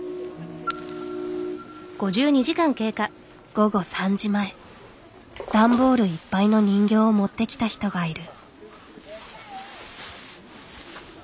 午後３時前段ボールいっぱいの人形を持ってきた人がいる。